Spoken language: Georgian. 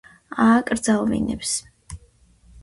ააკრძალვინებს